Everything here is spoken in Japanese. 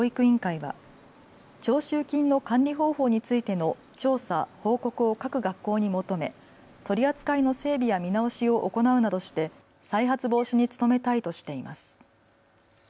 県教育委員会は徴収金の管理方法についての調査・報告を各学校に求め取り扱いの整備や見直しを行うなどして再発防止に努めたいとしています。